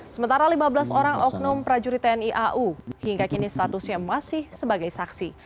sementara lima belas orang oknum prajurit tni au hingga kini statusnya masih sebagai saksi